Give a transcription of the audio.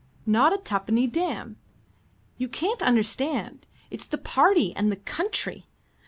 Not a tuppenny damn. You can't understand. It's the party and the country.